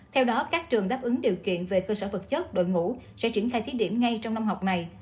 theo đó các trường đáp ứng điều kiện về cơ sở vật chất đội ngũ sẽ triển khai thiết điểm ngay trong năm học này